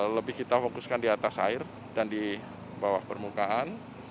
lebih kita fokuskan di atas air dan di bawah permukaan